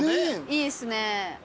いいっすね。